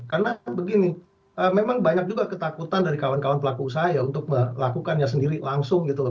karena begini memang banyak juga ketakutan dari kawan kawan pelaku usaha ya untuk melakukannya sendiri langsung gitu loh